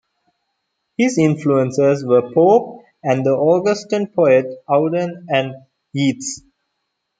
His influences were Pope and the Augustan poets, Auden, and Yeats.